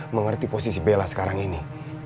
mengerti posisi bella sekarang ini